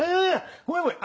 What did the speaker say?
ごめんごめん。